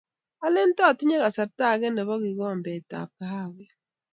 alen to tinye kasarta age nebo kikomet ab kahawek